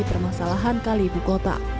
permasalahan kali bukota